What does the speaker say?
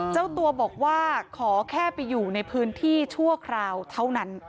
เจ้าตัวบอกว่าขอแค่ไปอยู่ในพื้นที่ชั่วคราวเท่านั้น